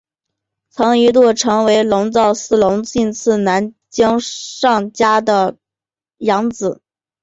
曾一度成为龙造寺隆信次男江上家种的养子。